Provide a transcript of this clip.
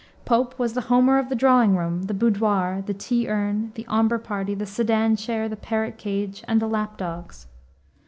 Pope was the Homer of the drawing room, the boudoir, the tea urn, the omber party, the sedan chair, the parrot cage, and the lap dogs.